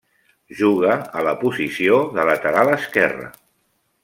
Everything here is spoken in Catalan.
Juga a la posició de lateral esquerre.